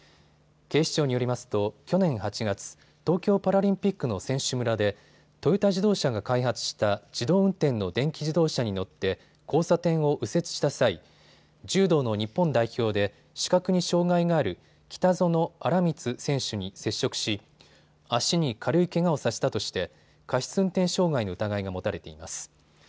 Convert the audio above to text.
警視庁によりますと去年８月、東京パラリンピックの選手村でトヨタ自動車が開発した自動運転の電気自動車に乗って交差点を右折した際、柔道の日本代表で視覚に障害がある北薗新光選手に接触し足に軽いけがをさせたとして過失運転傷害の疑いが持たれています。